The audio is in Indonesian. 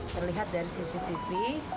terlihat dari cctv